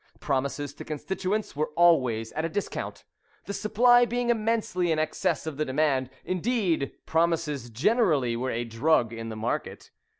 Promises to constituents were always at a discount, the supply being immensely in excess of the demand; indeed, promises generally were a drug in the market.